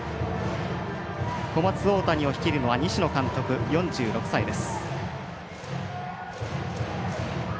小松大谷を率いるのは西野監督、４６歳です。